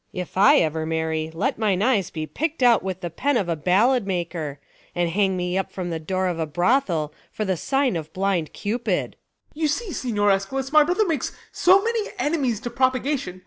If I ever marry, let mine eyes be Pickt out with the pen of a ballad maker, And hang me up at the door of a brothel, For the sign of blind cupid. Ben. You see, Signior Eschalus, my brother makes So many enemies to propagation.